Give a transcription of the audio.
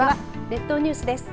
列島ニュースです。